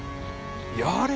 やれ！